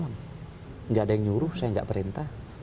tidak ada yang nyuruh saya nggak perintah